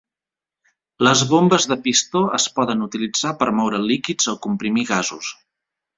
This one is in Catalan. Les bombes de pistó es poden utilitzar per moure líquids o comprimir gasos.